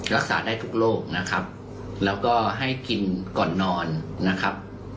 รักษาได้ทุกโรคนะครับแล้วก็ให้กินก่อนนอนนะครับ